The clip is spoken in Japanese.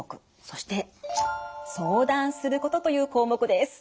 そして「相談すること」という項目です。